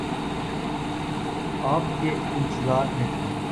میں آپ کے انتظار میں تھا